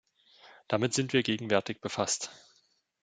Damit sind wir gegenwärtig befasst.